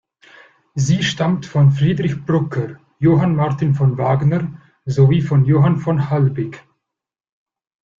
Sie stammt von Friedrich Brugger, Johann Martin von Wagner sowie von Johann von Halbig.